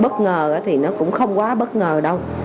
bất ngờ thì nó cũng không quá bất ngờ đâu